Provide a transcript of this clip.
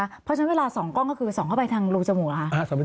เพราะฉะนั้นเวลา๒กล้องก็คือส่องเข้าไปทางรูจมูกเหรอคะ